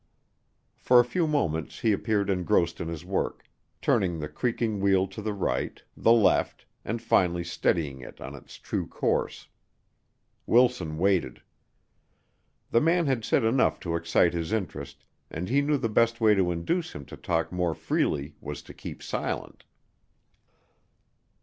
For a few moments he appeared engrossed in his work, turning the creaking wheel to the right, the left, and finally steadying it on its true course. Wilson waited. The man had said enough to excite his interest and he knew the best way to induce him to talk more freely was to keep silent.